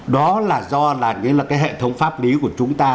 đó là do là những cái hệ thống pháp lý của chúng ta